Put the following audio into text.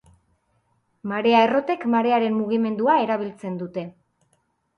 Marea-errotek marearen mugimendua erabiltzen dute.